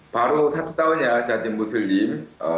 baru satu tahunnya jadi muslim